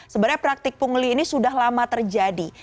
sebenarnya praktik pungli ini sudah lama terjadi